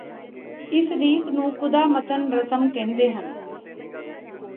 ਇਸ ਰੀਤ ਨੂੰ ਕੁਦਾਮੱਤਨ ਰਸਮ ਕਹਿੰਦੇ ਹਨ